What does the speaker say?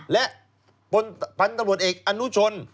และพันธุ์ตำรวจเอกอนุชน